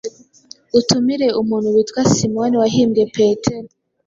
utumire umuntu witwa Simoni wahimbwe Petero.